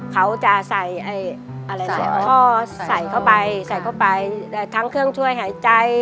เขาจะใส่ท่อใส่เข้าไปใส่เข้าไปทั้งเครื่องช่วยหายใจ